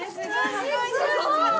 すごい！